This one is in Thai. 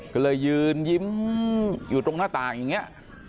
ก็เลยยืนยิ้มอยู่ตรงหน้าต่างอย่างนี้